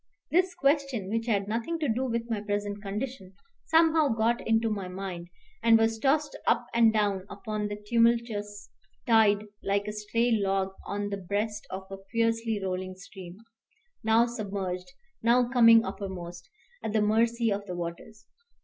This question, which had nothing to do with my present condition, somehow got into my mind, and was tossed up and down upon the tumultuous tide like a stray log on the breast of a fiercely rolling stream, now submerged, now coming uppermost, at the mercy of the waters.